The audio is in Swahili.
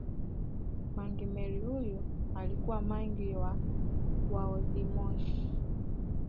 Mangi Meli huyu alikuwa mangi wa waoldmoshi